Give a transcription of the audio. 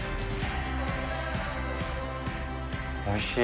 おいしい。